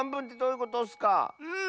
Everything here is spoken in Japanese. うん。